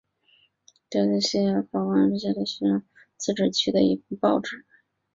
加利西亚邮报是西班牙加利西亚自治区的一份报纸。